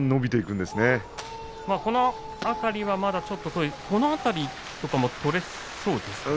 この辺りはまたこの辺りも取れそうですか。